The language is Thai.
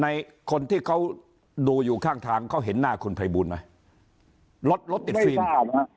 ในคนที่เขาดูอยู่ข้างทางเขาเห็นหน้าคุณภัยบูรณ์ไหม